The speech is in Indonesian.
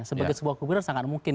sebagai sebuah kuburan sangat mungkin